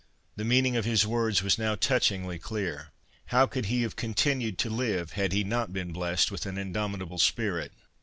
The meaning of his words was now touchingly clear. How could he have continued to live had he not been blessed with an indomitable spirit